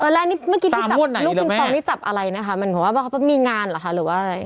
แล้วลูกบินพองที่จับอะไรนะคะมันพอว่าบอกว่ามีงานหรือว่าอะไร